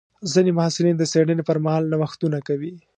ځینې محصلین د څېړنې پر مهال نوښتونه کوي.